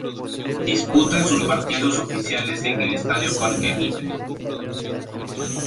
Disputa sus partidos oficiales en el estadio Parque Mitre.